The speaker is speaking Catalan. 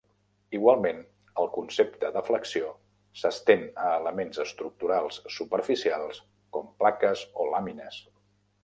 Igualment, el concepte de flexió s'estén a elements estructurals superficials com plaques o làmines.